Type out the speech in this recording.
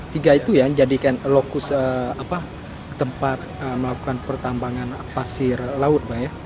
tiga itu yang jadikan lokus tempat melakukan pertambangan pasir laut